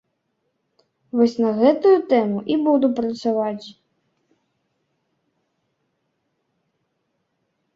Вось на гэтую тэму і буду працаваць.